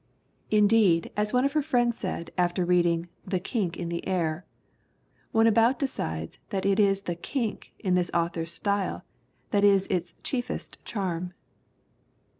Indeed, as one of her 328 THE WOMEN WHO MAKE OUR NOVELS friends said, after reading The Kink in the Air, one about decides that it is the 'kink' in this author's style that is its chiefest charm."